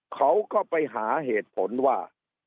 เขาก็ไปหาเหตุผลว่า